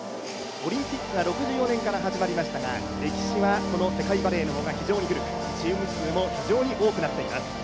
オリンピックが６４年から始まりましたが歴史はこの世界バレーのほうが非常に古く、チーム数も非常に多くなっています。